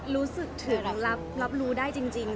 รู้สึกถึงรับรู้ได้จริง